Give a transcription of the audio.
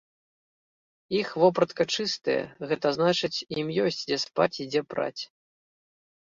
Іх вопратка чыстая, гэта значыць, ім ёсць, дзе спаць і дзе праць.